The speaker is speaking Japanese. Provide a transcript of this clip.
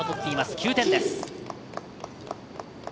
９点です。